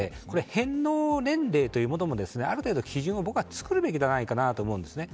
返納年齢というのもある程度、基準を作るべきじゃないかなと思うんですね。